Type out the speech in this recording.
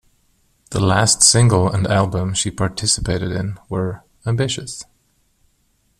The last single and album she participated in were "Ambitious!